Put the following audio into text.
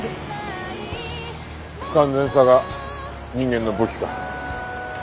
不完全さが人間の武器か。